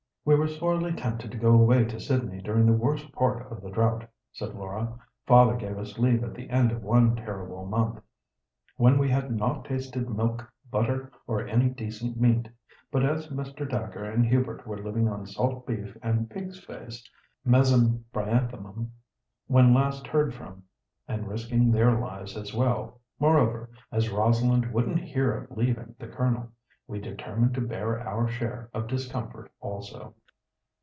"We were sorely tempted to go away to Sydney during the worst part of the drought," said Laura. "Father gave us leave at the end of one terrible month, when we had not tasted milk, butter, or any decent meat. But as Mr. Dacre and Hubert were living on salt beef and 'pig's face' (Mesembryanthemum) when last heard from, and risking their lives as well—moreover, as Rosalind wouldn't hear of leaving the Colonel—we determined to bear our share of discomfort also."